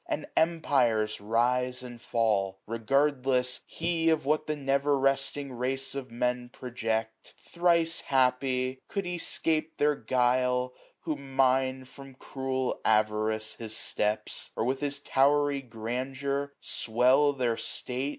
And empires rise and fall ; regardless he 725 Of what the never resting race of Men Project : thrice happy ! could he 'scape their guile. Who mine, from cruel avarice, his steps ; Or with his towery grandeur swell their state.